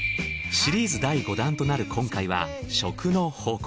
シリーズ第５弾となる今回は食の宝庫